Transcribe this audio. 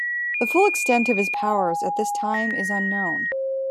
The full extent of his powers at this time is unknown.